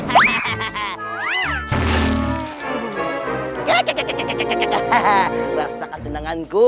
hahaha rasakan tenanganku